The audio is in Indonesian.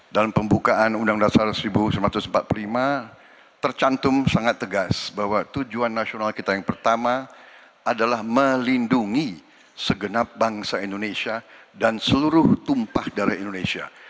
dalam pembukaan undang undang dasar seribu sembilan ratus empat puluh lima tercantum sangat tegas bahwa tujuan nasional kita yang pertama adalah melindungi segenap bangsa indonesia dan seluruh tumpah darah indonesia